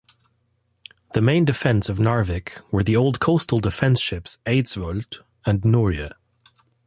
The main defence of Narvik were the old coastal defence ships "Eidsvold" and "Norge".